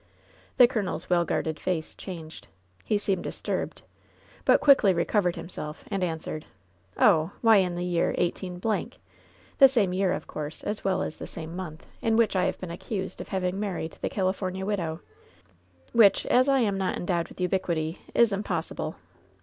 The colonel's well guarded face changed. He seemed disturbed, but quickly recovered himself, and answered : "Oh ! why, in the year 18 —, the same year, of course^ as well as the same month, in which I have been accased of having married the California widow — which, as I am not endowed with ubiquity, is impossible."